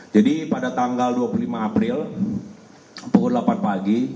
jadi pada tanggal dua puluh lima april pukul delapan pagi